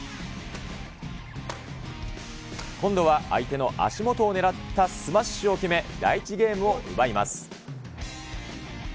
今度は相手の足元を狙ったスマッシュを決め、第１ゲームを奪います。